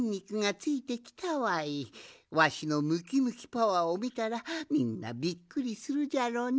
わしのムキムキパワーをみたらみんなびっくりするじゃろうな。